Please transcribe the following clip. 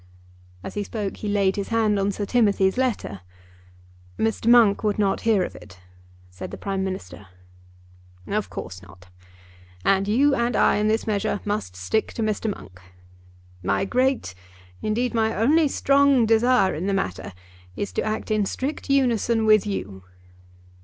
As he spoke he laid his hand on Sir Timothy's letter. "Mr. Monk would not hear of it," said the Prime Minister. "Of course not. And you and I in this measure must stick to Mr. Monk. My great, indeed my only strong desire in the matter, is to act in strict unison with you."